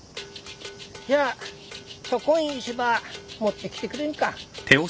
じゃあそこん石ば持ってきてくれんか。